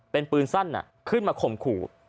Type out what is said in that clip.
เป็นปืนสั้นขึ้นมาข่มขู่